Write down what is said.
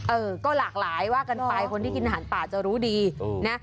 เออก็หลากหลายว่ากันไปคนที่กินอาหารป่าจะรู้ดีนะ